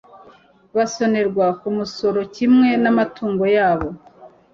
basonerwa ku musoro kimwe n'amatungo yabo